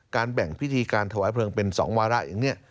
แบ่งพิธีการถวายเพลิงเป็น๒วาระอย่างนี้